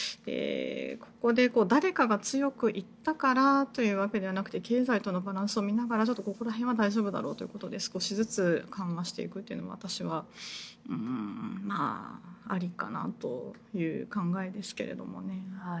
ここで誰かが強く言ったからというわけではなくて経済とのバランスを見ながらここら辺は大丈夫だろうということで少しずつ緩和していくというのは私はありかなという考えですけれどもね。